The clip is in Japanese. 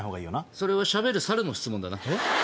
それはしゃべる猿の質問だな。